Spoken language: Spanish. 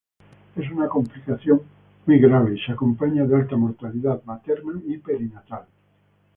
Es una complicación muy grave y se acompaña de alta mortalidad materna y perinatal.